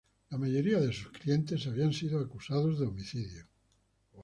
La mayoría de sus clientes habían sido acusados de homicidio.